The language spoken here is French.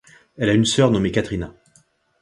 Elle a une sœur nommée Katrina.